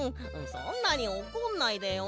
そんなにおこんないでよ。